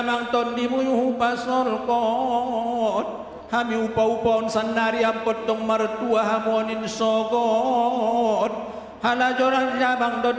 tentang prosesi ini saya ingin mengucapkan kepada anda